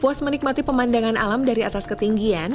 puas menikmati pemandangan alam dari atas ketinggian